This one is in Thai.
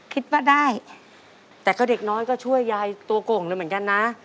คิดว่าได้แต่ก็เด็กน้อยก็ช่วยยายตัวโก่งเลยเหมือนกันนะ